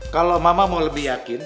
kalau mama mau lebih yakin